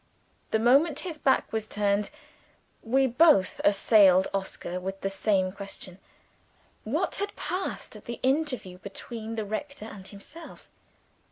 The moment his back was turned, we both assailed Oscar with the same question. What had passed at the interview between the rector and himself?